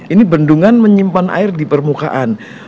ini bendungan menyimpan air di permukaan